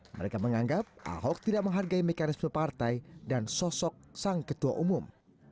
mereka menganggap ahok tidak menghargai mekanisme partai dan sosok sang ketua umum